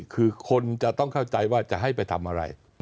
คือคนจะต้องเข้าใจว่าจะให้ไปทำอะไร